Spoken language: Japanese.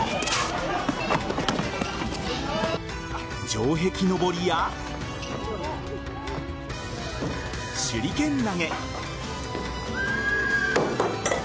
城壁のぼりや手裏剣投げ。